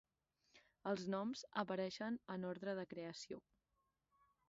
Els noms apareixen en ordre de creació.